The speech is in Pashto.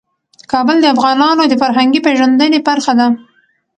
کابل د افغانانو د فرهنګي پیژندنې برخه ده.